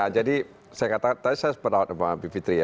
jadi saya kata tadi saya berdapat sama bivitri ya